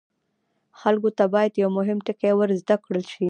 خلکو ته باید یو ډیر مهم ټکی ور زده کړل شي.